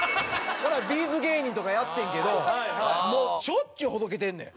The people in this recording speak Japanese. この間Ｂ’ｚ芸人とかやってんけどもうしょっちゅうほどけてんねん。